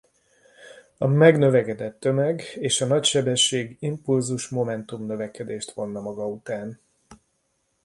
A megnövekedett tömeg és a nagy sebesség impulzusmomentum-növekedést vonna maga után.